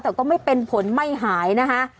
แต่ก็ไม่เป็นผลไม่หายนะคะ